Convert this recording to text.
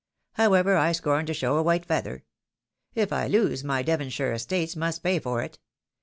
However, I scorn to show a white feather ! If I lose, my De vonshire estates must pay for it.